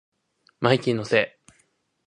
マイキーのせい